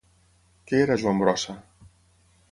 Què era Joan Brossa?